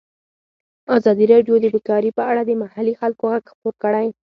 ازادي راډیو د بیکاري په اړه د محلي خلکو غږ خپور کړی.